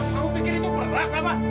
kamu pikir itu berat apa